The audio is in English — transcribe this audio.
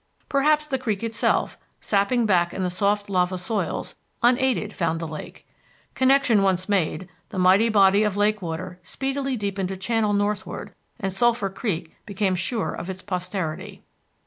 Perhaps the creek itself, sapping back in the soft lava soils, unaided found the lake. Connection once made, the mighty body of lake water speedily deepened a channel northward and Sulphur Creek became sure of its posterity.